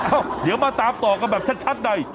เอ้าเดี๋ยวมาตามต่อกันแบบชัดใน